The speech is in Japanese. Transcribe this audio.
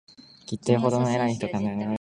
きっとよほど偉い人たちが、度々来るんだ